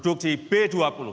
untuk bila ini berrubah